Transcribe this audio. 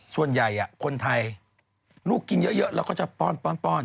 ส่วนใหญ่คนไทยลูกกินเยอะแล้วก็จะป้อน